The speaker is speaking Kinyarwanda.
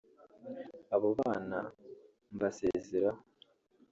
abo bana mbasezeraho